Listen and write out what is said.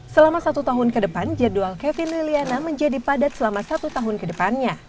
selama satu tahun ke depan jadwal kevin liliana menjadi padat selama satu tahun ke depannya